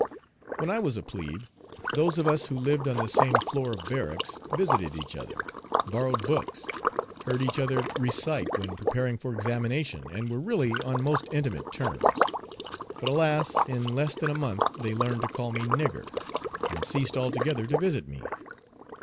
When I was a plebe those of us who lived on the same floor of barracks visited each other, borrowed books, heard each other recite when preparing for examination, and were really on most intimate terms. But alas! in less than a month they learned to call me "nigger," and ceased altogether to visit me.